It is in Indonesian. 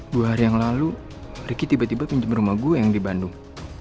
dua hari yang lalu riki tiba tiba pinjam rumah gue yang di bandung